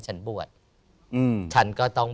โปรดติดตามต่อไป